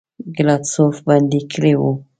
ګلادسوف بندي کړی وو.